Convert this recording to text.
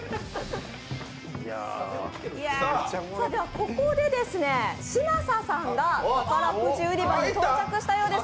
ここで嶋佐さんが宝くじ売り場に到着したようです。